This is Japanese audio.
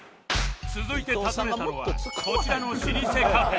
続いて訪ねたのはこちらの老舗カフェ